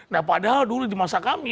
nah padahal dulu di masa kami